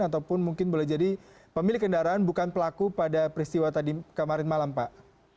ataupun mungkin boleh jadi pemilik kendaraan bukan pelaku pada peristiwa tadi kemarin malam pak